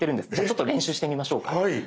ちょっと練習してみましょうか。